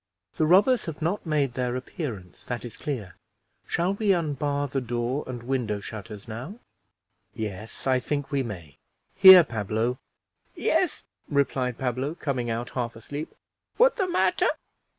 The robbers have not made their appearance, that is clear; shall we unbar the door and window shutters now?" "Yes, I think we may. Here, Pablo!" "Yes," replied Pablo, coming out half asleep; "what the matter?